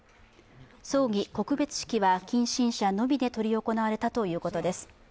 葬儀告別式は近親者のみで執り行われたということです。